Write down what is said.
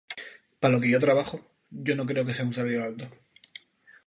Para lo que yo trabajo, yo no creo que sea un salario alto.